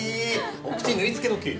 お口縫い付けの刑！